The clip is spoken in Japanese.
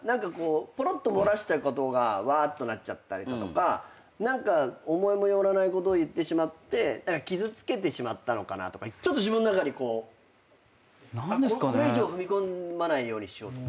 ぽろっと漏らしたことがわあっとなっちゃったりだとか何か思いも寄らないことを言ってしまって傷つけてしまったのかなとかちょっと自分の中にこれ以上踏み込まないようにしようとか。